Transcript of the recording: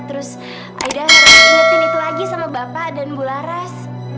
terus akhirnya ingetin itu lagi sama bapak dan bu laras